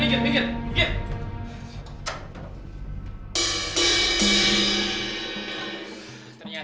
minggir minggir minggir